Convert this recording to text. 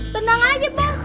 tenang aja bos